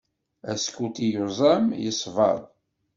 Askuti yuẓam, yesber.